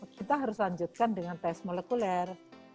kita harus lanjutkan dengan tes molekuler